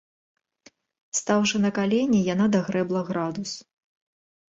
Стаўшы на калені, яна дагрэбла градус.